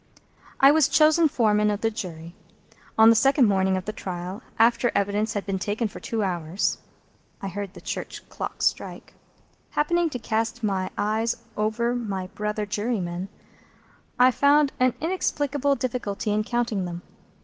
I was chosen Foreman of the Jury. On the second morning of the trial, after evidence had been taken for two hours (I heard the church clocks strike), happening to cast my eyes over my brother jurymen, I found an inexplicable difficulty in counting them.